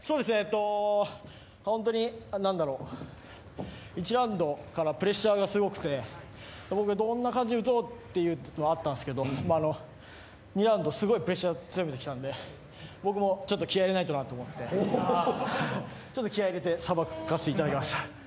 本当に１ラウンドからプレッシャーがすごくて僕、どんな感じで打とうっていうのがあったんですけど、２ラウンド、すごいプレッシャー強めてきたので、僕もちょっと気合い入れないとなと思ってちょっと気合いを入れてさばかせていただきました。